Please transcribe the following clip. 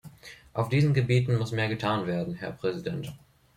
Auf diesen Gebieten muss mehr getan werden, Herr Präsident.